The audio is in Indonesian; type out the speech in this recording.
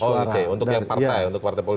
oh oke untuk yang partai untuk partai politik